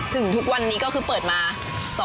ถึงทุกวันนี้ก็คือเปิดมา